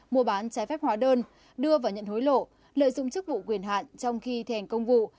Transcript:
mua bán trái phép hóa đơn đưa và nhận hối lộ lợi dụng chức vụ quyền hạn trong khi thi hành công vụ